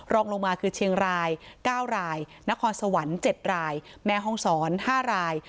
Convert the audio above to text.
รองลงมาคือเชียงราย๙รายนครสวรรค์๗รายแม่ห้องศร๕ราย